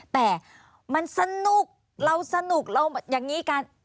แต่มันสนุกเราสนุกเราอย่างนี้กัน